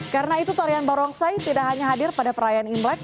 karena itu tarian barongsai tidak hanya hadir pada perayaan imlek